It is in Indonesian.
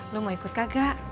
lu mau ikut kagak